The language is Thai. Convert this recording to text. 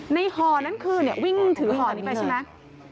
ห่อนั้นคือวิ่งถือห่อนี้ไปใช่ไหม